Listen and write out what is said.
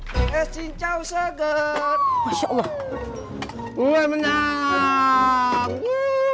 hai es cincau seger masya allah gue menang